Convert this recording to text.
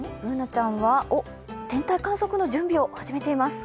Ｂｏｏｎａちゃんは、天体観測の準備を始めています。